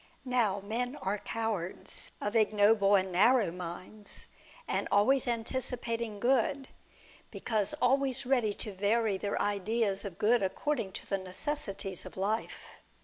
'Now, men are cowards, of ignoble and narrow minds, and always anticipating good, because always ready to vary their ideas of good according to the necessities of life.